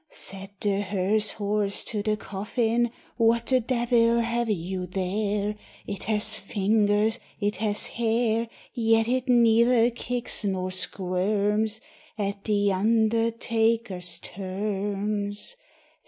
Said the hearse horse to the coffin, "What the devil have you there? It has fingers, it has hair; Yet it neither kicks nor squirms At the undertaker's terms."